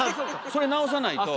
それ直さないと。